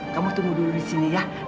kamu tunggu dulu disini ya